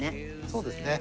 そうですね。